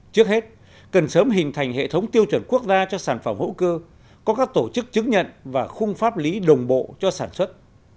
trước hết cần sớm hình thành hệ thống tiêu chuẩn quốc gia cho sản phẩm hữu cơ có các tổ chức chứng nhận và khung pháp lý đồng bộ cho sản xuất